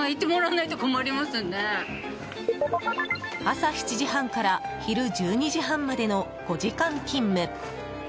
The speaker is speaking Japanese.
朝７時半から昼１２時半までの５時間勤務。